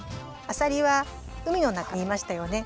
あさりはうみのなかにいましたよね。